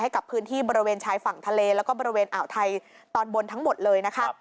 กับพื้นที่บริเวณชายฝั่งทะเลแล้วก็บริเวณอ่าวไทยตอนบนทั้งหมดเลยนะคะ